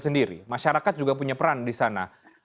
sendiri masyarakat juga punya peran di sana